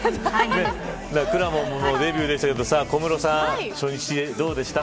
くらもんもデビューでしたけど小室さん、初日どうでした。